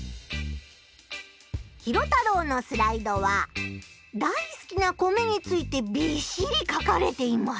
ヒロタロウのスライドはだいすきな米についてびっしり書かれています！